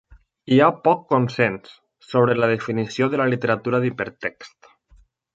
Hi ha poc consens sobre la definició de la literatura d'hipertext.